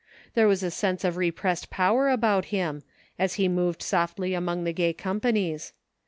There was a sense of repressed power about him, as he moved softly among the gay companies.